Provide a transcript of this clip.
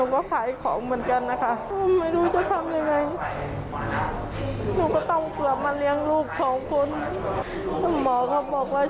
ขอให้เขามารับผิดชอบเขาเข้ามาด้วย